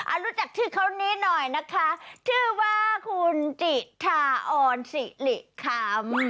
รู้จักชื่อเขานี้หน่อยนะคะชื่อว่าคุณจิธาออนสิริคำ